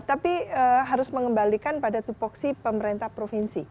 tapi harus mengembalikan pada tupoksi pemerintah provinsi